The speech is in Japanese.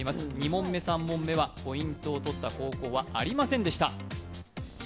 ２問目、３問目はポイントをとった学校はありませんでした。